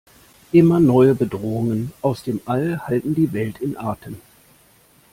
Immer neue Bedrohungen aus dem All halten die Welt in Atem.